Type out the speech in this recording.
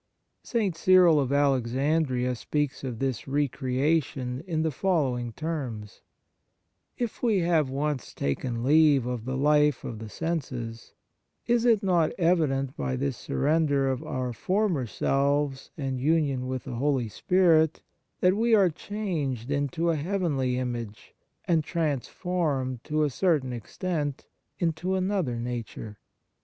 St. Cyril of Alexandria speaks of this re creation in the following terms: " If we have once taken leave of the life of the senses, is it not evident by this surrender of our former selves and union with the Holy Spirit that we are changed into a heavenly image, and transformed, to a certain extent, into another nature